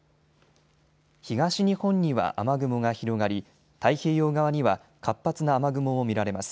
東日本には雨雲が広がり太平洋側には活発な雨雲も見られます。